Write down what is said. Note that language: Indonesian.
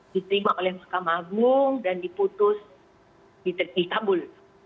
diterima oleh mahkamah agung dan diputus di kabul